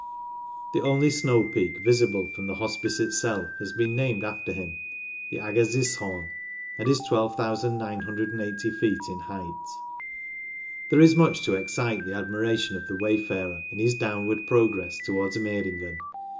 The only snow peak visible from the Hospice itself has been named after him, the Agassizhom, and is 12,980 feet in height There is much to excite the admiration of the wayfarer in his downward progress towards Meiringen.